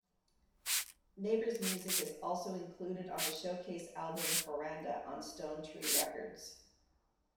Nabor's music is also included on the showcase album "Paranda" on Stonetree Records.